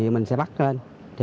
mình sẽ bắt nó lên